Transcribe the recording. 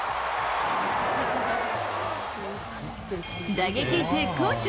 打撃絶好調。